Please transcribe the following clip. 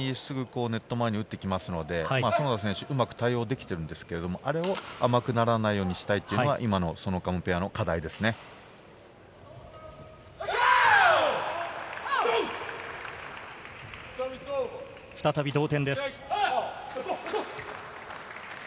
サービスを打った後にすぐにネット前に打ってくるので、園田選手、うまく対応できているんですけど、あれは甘くならないようにしたいというのが今のソノ再び同点です。